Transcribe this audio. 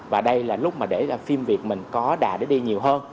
và đây là lúc mà để phim việt mình có đà để đi nhiều hơn